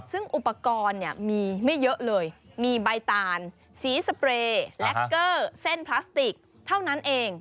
ซึ่งอุปกรณ์เนี่ยมีไม่เยอะเลยมีใบตาลสีสเปรย์และเกอร์เส้นพลาสติกเท่านั้นเอง